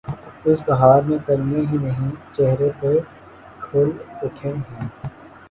اس بہار میں کلیاں ہی نہیں، چہرے بھی کھل اٹھے ہیں۔